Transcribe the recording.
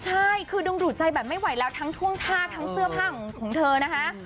ใช่คือดึงดูดใจแบบไม่ไหวแล้วทั้งท่วงท่าทั้งเสื้อผ้าของเธอนะคะ